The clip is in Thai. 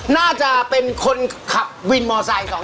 น่าจะเป็นคนขับวินมอเซอร์สาย๒อย่าง